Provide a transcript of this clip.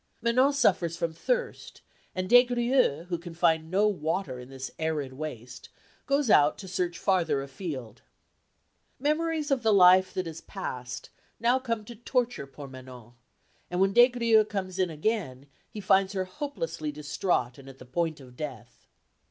Manon suffers from thirst, and Des Grieux, who can find no water in this arid waste, goes out to search farther afield. Memories of the life that is past now come to torture poor Manon, and when Des Grieux comes in again he finds her hopelessly distraught and at the point of death.